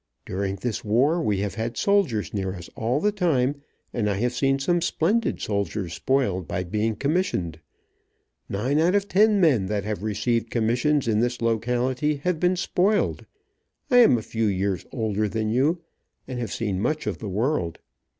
During this war, we have had soldiers near us all the time, and I have seen some splendid soldiers spoiled by being commsssioned. Nine out of ten men that have received commissions in this locality, have been spoiled. I am a few years older than you, and have seen much of the world.